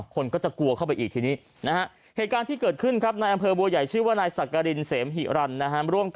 คนก็จะกลัวเข้าไปอีกทีนี้นะเทศการที่เกิดขึ้นครับมายไอเบาะใหญ่ชิ้วว่านายสะกริลเสมหิรันซ์แรม